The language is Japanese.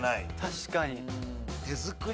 確かに。